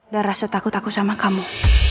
dan rasa takut aku sama kamu